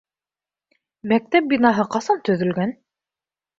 Мәктәп бинаһы ҡасан төҙөлгән?